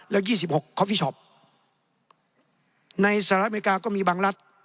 แล้ว๒๖คอฟฟี่ช็อปในสหรัฐอเมริกาก็มีบางรัฐ